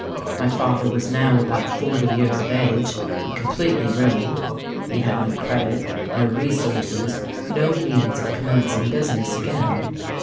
"My father was now about forty years of age, and completely ruined. He had no credit—no resources—no means of commencing business again.